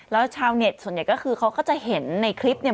แล้วชาวเน็ตส่วนใหญ่ก็คือเขาก็จะเห็นในคลิปเนี่ย